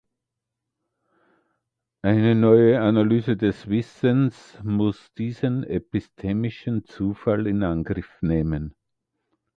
Eine neue Analyse des Wissens muss diesen epistemischen Zufall in Angriff nehmen.